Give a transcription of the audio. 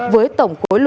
với tổng quốc lộ bị sạt lở